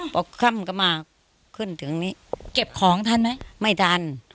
พอค่ำก็มาขึ้นถึงนี้เก็บของทันไหมไม่ทัน